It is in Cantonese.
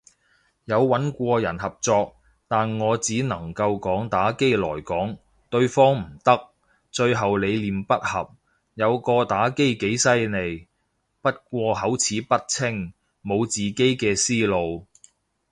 有穩過人合作，但我只能夠講打機來講，對方唔得，最後理念不合，有個打機几犀利，不過口齒不清，無自己嘅思路。